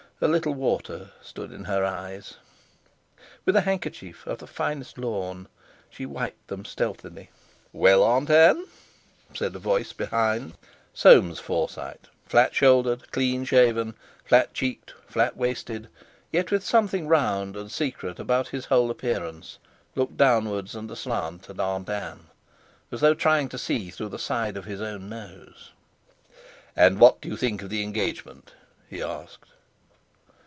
A little water stood in her eyes. With a handkerchief of the finest lawn she wiped them stealthily. "Well, Aunt Ann?" said a voice behind. Soames Forsyte, flat shouldered, clean shaven, flat cheeked, flat waisted, yet with something round and secret about his whole appearance, looked downwards and aslant at Aunt Ann, as though trying to see through the side of his own nose. "And what do you think of the engagement?" he asked.